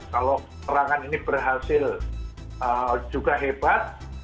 kalau serangan ini berhasil juga hebat